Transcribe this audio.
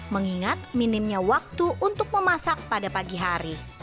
mengingat minimnya waktu untuk memasak pada pagi hari